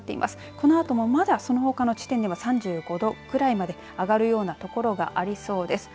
このあともまだそのほかの地点では３５度くらいまで上がるようなところがありそうです。